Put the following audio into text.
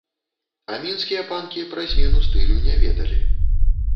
А мінскія панкі пра змену стылю не ведалі.